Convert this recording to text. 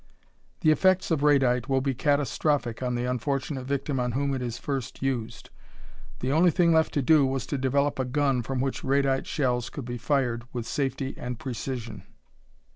The effects of radite will be catastrophic on the unfortunate victim on whom it is first used. The only thing left to do was to develop a gun from which radite shells could be fired with safety and precision.